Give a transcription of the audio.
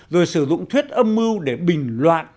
rồi sử dụng thuyết âm mưu để bình loạn